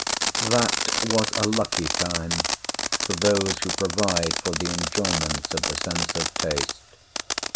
That was a lucky time for those who provide for the enjoyments of the sense of taste.